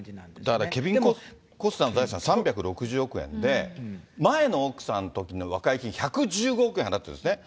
だからケビン・コスナーの財産３６０億円で、前の奥さんのときの和解金１１５億円払ってるんですね。